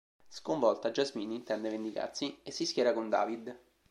Sconvolta, Jasmine intende vendicarsi, e si schiera con David.